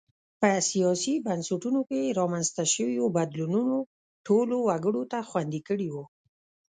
په سیاسي بنسټونو کې رامنځته شویو بدلونونو ټولو وګړو ته خوندي کړي وو.